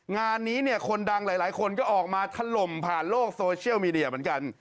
งานนี้เนี่ยคนดังหลายคนก็ออกมาถล่มผ่านโลกโซเชียลมีเดียเหมือนกัน